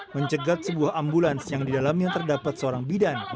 mencegat sebuah ambulans yang didalamnya terdapat seorang bidan